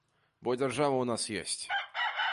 Бо дзяржава ў нас ёсць.